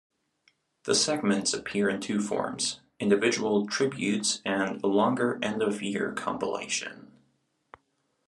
The segments appear in two forms: individual tributes and a longer end-of-year compilation.